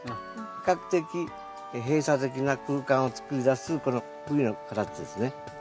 比較的閉鎖的な空間を作り出すこのＶの形ですね。